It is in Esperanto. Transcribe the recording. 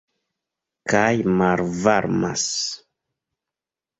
Kaj malvarmas.